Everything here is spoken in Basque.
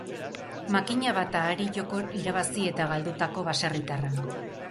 Makina bat ahari joko irabazi eta galdutako baserritarra.